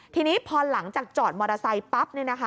ทีนี้พอหลังจากจอดมอเตอร์ไซค์ปั๊บ